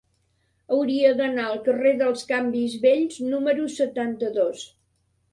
Hauria d'anar al carrer dels Canvis Vells número setanta-dos.